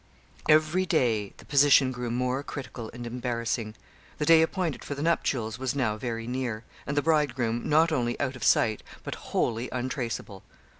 Every day the position grew more critical and embarrassing. The day appointed for the nuptials was now very near, and the bridegroom not only out of sight but wholly untraceable.